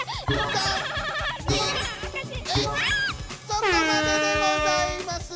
そこまででございます！